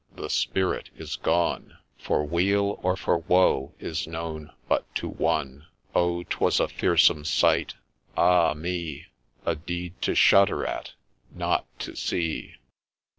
— the spirit is gone — For weal or for woe is known but to One I —— Oh ! 'twas a fearsome sight !— Ah me 1 A deed to shudder at, — not to see.